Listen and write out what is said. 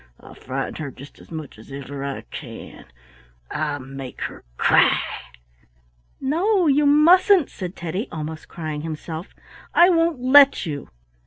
"I'll frighten her just as much as ever I can; I'll make her cry." "No, you mustn't," said Teddy, almost crying himself. "I won't let you."